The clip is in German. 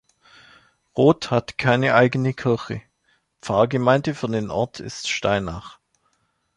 Roth hat keine eigene Kirche; Pfarrgemeinde für den Ort ist Steinach.